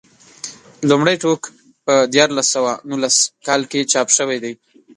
لومړی ټوک په دیارلس سوه نولس کال کې چاپ شوی دی.